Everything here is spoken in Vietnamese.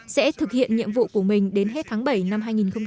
sẽ thực hiện nhiệm vụ của mình đến hết tháng bảy năm hai nghìn hai mươi